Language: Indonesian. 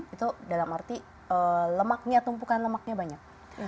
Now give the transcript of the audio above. itu dalam arti lemaknya tumpukan lemaknya banyak